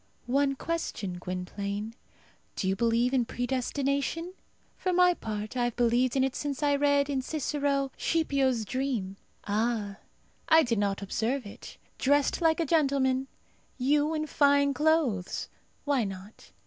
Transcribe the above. One question, Gwynplaine: do you believe in predestination? For my part, I have believed in it since I read, in Cicero, Scipio's dream. Ah! I did not observe it. Dressed like a gentleman! You in fine clothes! Why not?